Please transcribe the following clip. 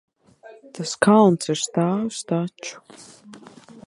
Tas kalns ir stāvs taču.